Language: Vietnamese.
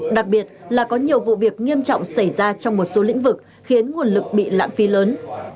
đặc biệt là có nhiều vụ việc nghiêm trọng xảy ra trong một số lĩnh vực khiến nguồn lực bị lãng phí lớn